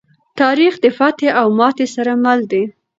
تاریخ د فتحې او ماتې سره مل دی.